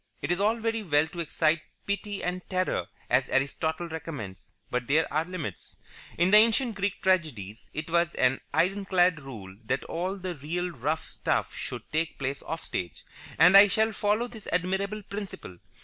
It is all very well to excite pity and terror, as Aristotle recommends, but there are limits. In the ancient Greek tragedies it was an ironclad rule that all the real rough stuff should take place off stage, and I shall follow this admirable principle.